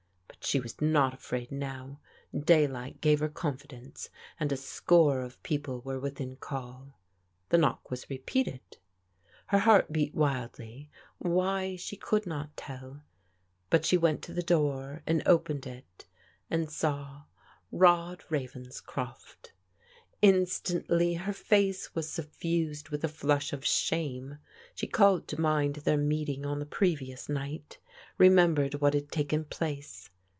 But she was not afraid now; daylight gave her confidence, and a score of people were within call. The knock was repeated. Her heart beat wildly, why she could not tell, but she went to the door and opened it, and saw Rod Ravens croft. Instantly her face was suflFused with a flush of shame. She called to mind their meeting on the pre vious night, remembered what had taken place.